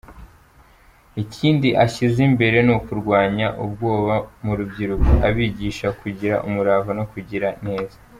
Ikindi ashyize imbere, ni ukurwanya ubwoba mu rubyiruko, abigisha kugira umurava no kugira neza.